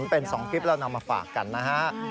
เป็น๒คลิปเรานำมาฝากกันนะฮะ